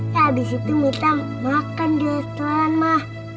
ya abis itu mita makan di restoran ma